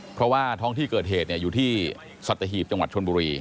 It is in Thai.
เพราะว่าท้องที่เกิดเหตุอยู่ที่สัตหีบจังหวัดชนบุรี